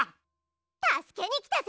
たすけにきたぜ！